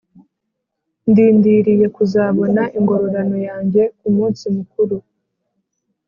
ndindiririye kuzabona ingororana yanjye ku munsi mukuru